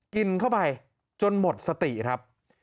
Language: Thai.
กินเข้าไปจนหมดสติครับ